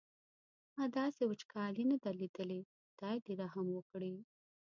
ما داسې وچکالي نه ده لیدلې خدای دې رحم وکړي.